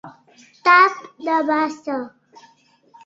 Tap de bassa.